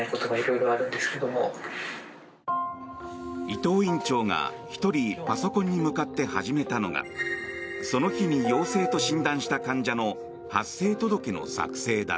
伊藤院長が１人パソコンに向かって始めたのがその日に陽性と診断した患者の発生届の作成だ。